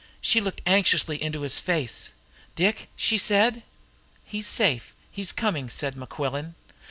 She looked anxiously into his face. "Dick?" she said. "He's safe he's coming," said Mequillen.